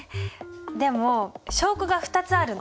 でも証拠が２つあるの。